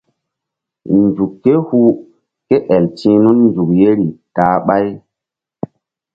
Nzuk ké hu ké el ti̧h nun nzuk yeri ta-a ɓáy.